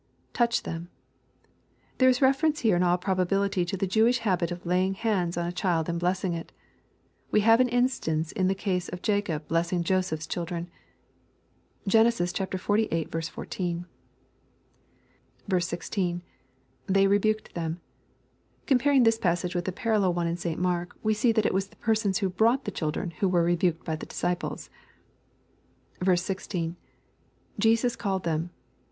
[Touch them.'] There is reference here in all probability to the Jewish habit of laying hands on a child and blessing it We have an instance in the case of Jacob blessing Joseph's children. (Gen, xlviii. 14.) [They rebvked them.] Comparing this passage with the parallel one in St. Mark, we see that it was the persons who brought the children who were rebuked by the disciples. 16 — [Jems called ihem.